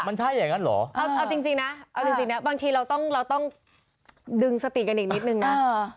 มันใช่อย่างนั้นเหรอเอาจริงนะเอาจริงนะบางทีเราต้องเราต้องดึงสติกันอีกนิดนึงนะ